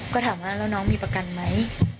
ก็ถามว่าแล้วน้องมีประกันไหม